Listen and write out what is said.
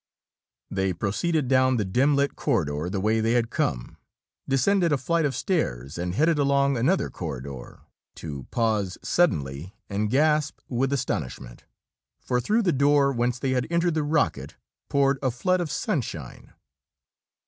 They proceeded down the dim lit corridor the way they had come, descended a flight of stairs and headed along another corridor to pause suddenly and gasp with astonishment. For through the door whence they had entered the rocket poured a flood of sunshine.